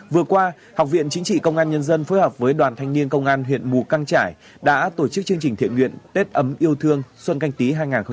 vừa qua học viện chính trị công an nhân dân phối hợp với đoàn thanh niên công an huyện mù căng trải đã tổ chức chương trình thiện nguyện tết ấm yêu thương xuân canh tí hai nghìn hai mươi